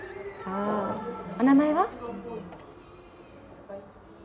お名前は？